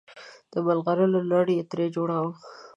د ملغلرو لړ یې ترې جوړاوه.